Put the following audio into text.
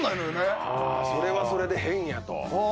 それはそれで変やと。